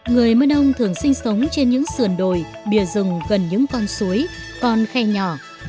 người mơ nông thường sinh sống trên những sườn đồi bìa rừng gần những con suối con khe nhỏ